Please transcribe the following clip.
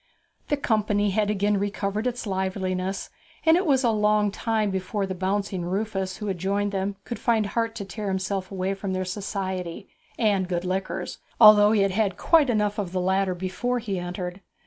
The company had again recovered its liveliness, and it was a long time before the bouncing Rufus who had joined them could find heart to tear himself away from their society and good liquors, although he had had quite enough of the latter before he entered.